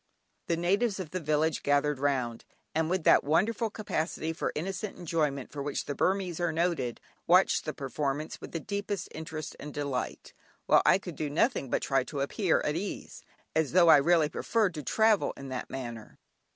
The natives of the village gathered round, and with that wonderful capacity for innocent enjoyment for which the Burmese are noted, watched the performance with the deepest interest and delight, while I could do nothing but try to appear at ease, as though I really preferred to travel in that manner.